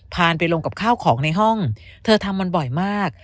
พานไปลงกับข้าวของในห้องเธอทำมันบ่อยมาก